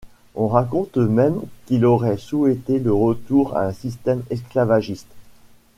On raconte même qu'il aurait souhaité le retour à un système esclavagiste.